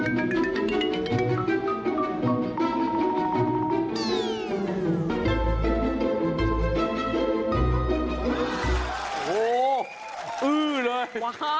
โหอื้อเลย